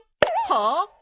はあ？